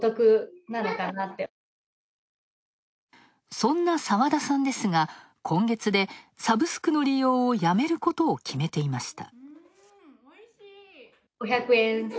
そんな澤田さんですが、今月でサブスクの利用をやめることを決めていました。